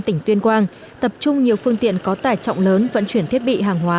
tỉnh tuyên quang tập trung nhiều phương tiện có tải trọng lớn vận chuyển thiết bị hàng hóa